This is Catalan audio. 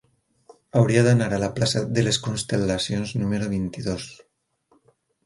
Hauria d'anar a la plaça de les Constel·lacions número vint-i-dos.